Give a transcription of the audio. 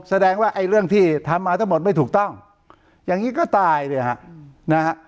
แสดงว่าไอ้เรื่องที่ทำมาทั้งหมดไม่ถูกต้องอย่างนี้ก็ตายเนี่ยฮะนะฮะ